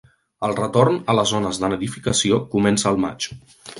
El retorn a les zones de nidificació comença al maig.